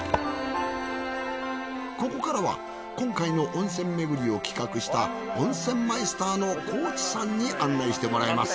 ここからは今回の温泉巡りを企画した温泉マイスターの河内さんに案内してもらいます。